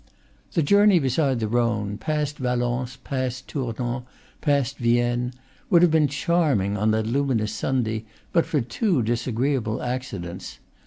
The journey beside the Rhone past Valence, past Tournon, past Vienne would have been charming, on that luminous Sunday, but for two disagreeable accidents.